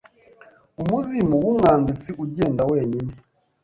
Umuzimu wumwanditsi ugenda wenyine